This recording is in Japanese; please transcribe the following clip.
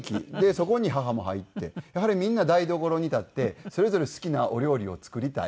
そこに母も入ってやはりみんな台所に立ってそれぞれ好きなお料理を作りたい。